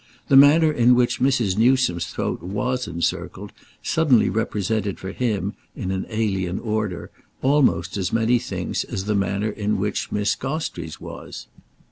The manner in which Mrs. Newsome's throat was encircled suddenly represented for him, in an alien order, almost as many things as the manner in which Miss Gostrey's was.